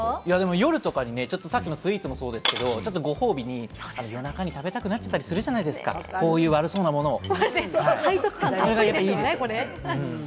夜とかにさっきのスイーツもそうですけれども、ご褒美に夜中に食べたくなっちゃったりするじゃないですか、背徳感たっぷりですよね。